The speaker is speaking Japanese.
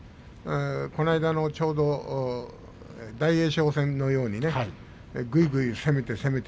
この間のちょうど大栄翔戦のように、ぐいぐい攻めて攻めて